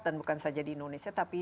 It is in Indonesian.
dan bukan saja di indonesia tapi